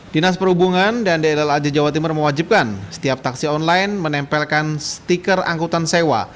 dinas perhubungan dan dllaj jawa timur mewajibkan setiap taksi online menempelkan stiker angkutan sewa